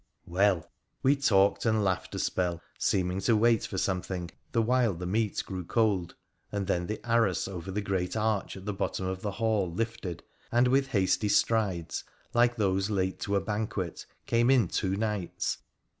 Well ! we talked and laughed a spell, seeming to wait for something, the while the meat grew cold, and then the arras over the great arch at the bottom of the hall lifted, and with hasty strides, like those late to a banquet, came in two knights.